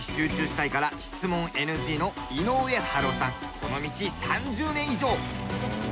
この道３０年以上。